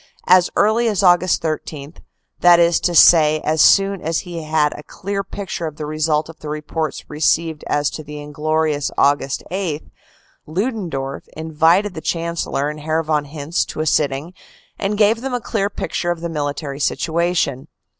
As early as Aug. 13, that is to say as soon as he had a clear pic ture as the result of the reports received as to the inglorious Aug. 8, Ludendorff invited the Chancellor and Herr von Hintze to a sitting, and gave them a clear picture of the mili tary situation.